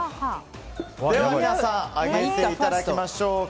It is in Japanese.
では、皆さん上げていただきましょうか。